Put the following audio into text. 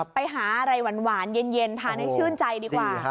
ไปหาอะไรหวานเย็นทานให้ชื่นใจดีกว่า